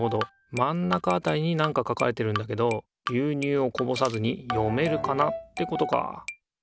まん中あたりになんか書かれてるんだけど「牛乳をこぼさずに、読めるかな？」ってことか。